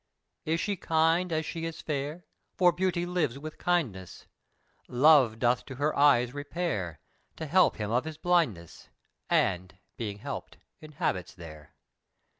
"Is she kind as she is fair? For beauty lives with kindness. Love doth to her eyes repair, To help him of his blindness. And, being help'd, inhabits there.